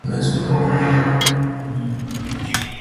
There will be no reunion tours etc... no compromise.